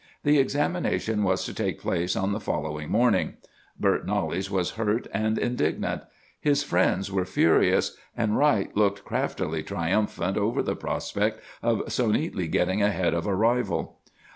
The examination was to take place on the following morning. Bert Knollys was hurt and indignant; his friends were furious; and Wright looked craftily triumphant over the prospect of so neatly getting ahead of a rival.